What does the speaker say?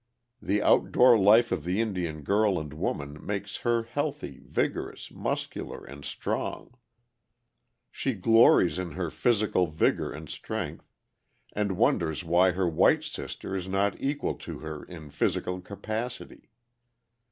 The out door life of the Indian girl and woman makes her healthy, vigorous, muscular, and strong. She glories in her physical vigor and strength, and wonders why her white sister is not equal to her in physical capacity.